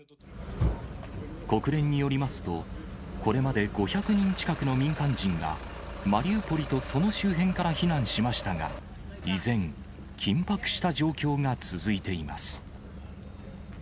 国連によりますと、これまで５００人近くの民間人がマリウポリとその周辺から避難しましたが、依然、緊迫した状況が続いています。